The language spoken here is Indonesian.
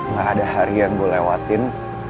gak ada hari yang gue lewatin